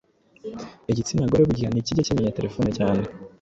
igitsina gore burya ntikijya kimenya telephone cyane